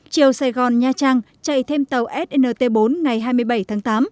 chiều sài gòn nha trang chạy thêm tàu snt bốn ngày hai mươi bảy tháng tám